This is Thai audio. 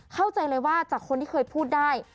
เข้าใจเลยว่าจากคนที่เคยพูดได้